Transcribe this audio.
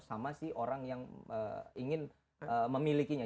sama sih orang yang ingin memilikinya